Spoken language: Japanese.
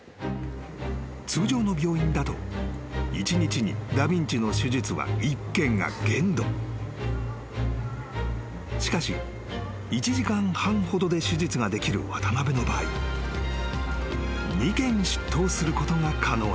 ［通常の病院だと一日にダビンチの手術は１件が限度］［しかし１時間半ほどで手術ができる渡邊の場合２件執刀することが可能なのだ］